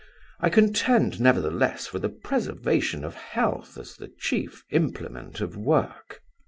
I contend, nevertheless, for the preservation of health as the chief implement of work."